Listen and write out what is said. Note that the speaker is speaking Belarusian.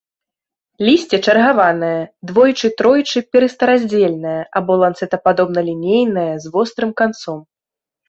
Лісце чаргаванае, двойчы-тройчы перыстараздзельнае або ланцэтападобна-лінейнае, з вострым канцом.